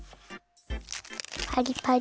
パリパリ。